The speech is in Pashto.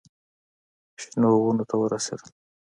شنو ونو ته ورسېدل.